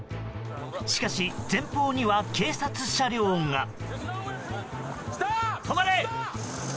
しかし、前方には警察車両が。